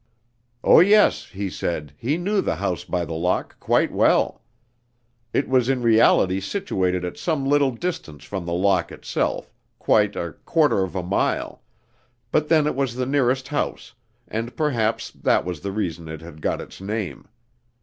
Oh, yes, he said, he knew the House by the Lock, quite well. It was in reality situated at some little distance from the Lock itself, quite a quarter of a mile, but then it was the nearest house, and perhaps that was the reason it had got its name.